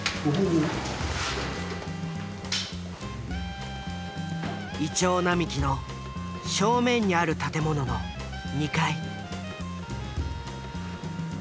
銀杏並木の正面にある建物の２階。